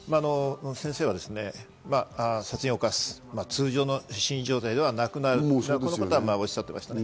殺人を犯す、通常の心理状態ではなくなるとおっしゃってました。